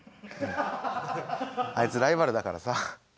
あいつライバルだからさ。